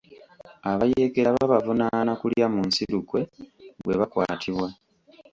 Abayeekera babavunaana kulya mu nsi lukwe bwe bakwatibwa.